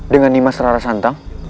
dengan nimas rara santang